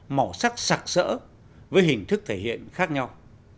màu sắc sạc sỡ với hình thức thể hiện khác nhau